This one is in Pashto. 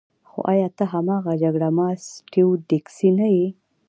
خو ایا ته هماغه جګړه مار سټیو ډیکسي نه یې